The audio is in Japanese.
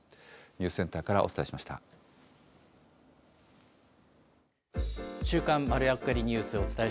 ニュースセンターからお伝え